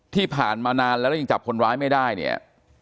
ที่ผ่านมานานแล้วแล้วยังจับคนร้ายไม่ได้เนี่ย